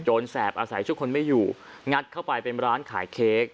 แสบอาศัยทุกคนไม่อยู่งัดเข้าไปเป็นร้านขายเค้ก